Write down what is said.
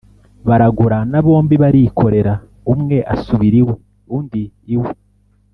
baragurana bombi barikorera, umwe asubira iwe undi iwe.